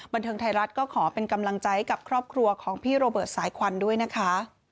บันเทิงไทยรัฐก็ขอเป็นกำลังใจกับครอบครัวของพี่โรเบิร์ตสายควันด้วยนะคะ